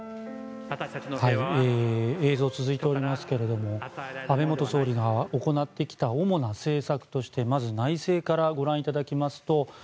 映像続いておりますけれども安倍元総理が行ってきた主な政策としてまず内政からご覧いただきますと